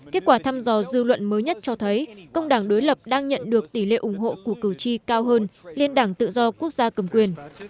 kết quả thăm dò dư luận mới nhất cho thấy công đảng đối lập đang nhận được tỷ lệ ủng hộ của cử tri cao hơn lên đảng tự do quốc gia cầm quyền